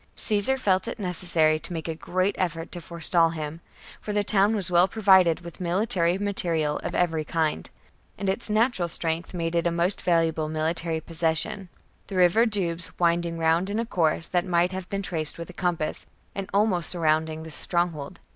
Caesar felt it necessary to make a great effort to forestall him, for the town was well provided with military material of every kind ; and its natural strength made it a most valuable military position, the river Doubs winding round in a course that might have been traced with a compass, and almost surrounding the stronghold.